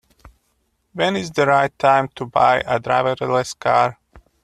When is the right time to buy a driver-less car?